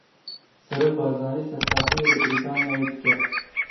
Serok Barzanî sersaxiyê li Brîtanyayê dike.